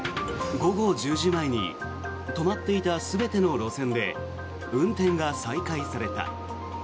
午後１０時前に止まっていた全ての路線で運転が再開された。